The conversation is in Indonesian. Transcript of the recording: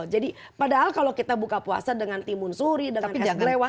jadi padahal kalau kita buka puasa dengan timun suri dengan es blewah